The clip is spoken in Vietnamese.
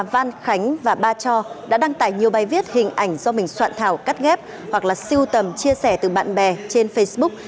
phan khánh và ba cho đã đăng tải nhiều bài viết hình ảnh do mình soạn thảo cắt ghép hoặc là siêu tầm chia sẻ từ bạn bè trên facebook